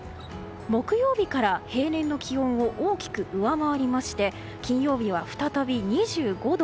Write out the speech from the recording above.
木曜日から平年の気温を大きく上回りまして金曜日は再び２５度。